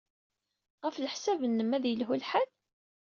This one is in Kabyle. Ɣef leḥsab-nnem, ad yelhu lḥal?